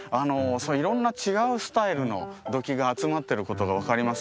色んな違うスタイルの土器が集まってることが分かります